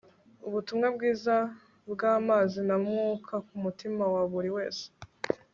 ubutumwa bwiza bwamazi na Mwuka kumutima wa buri wese